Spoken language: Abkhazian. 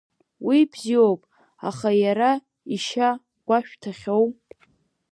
Уи бзиоуп, аха иара ишьа гәашәҭахьоу?